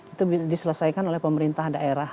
itu diselesaikan oleh pemerintah daerah